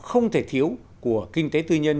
không thể thiếu của kinh tế tư nhân